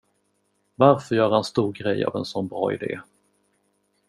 Varför göra en stor grej av en sån bra idé?